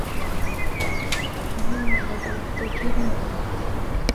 نیمە لە دڵ، دڵگیر مەبە